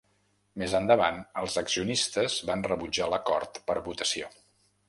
Més endavant, els accionistes van rebutjar l'acord per votació.